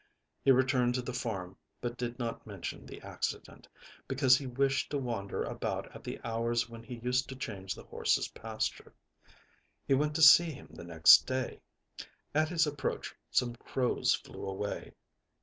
He returned to the farm, but did not mention the accident, because he wished to wander about at the hours when he used to change the horse's pasture. He went to see him the next day. At his approach some crows flew away.